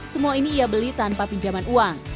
semua ini ia beli tanpa pinjaman uang